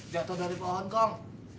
datang dari pohon kong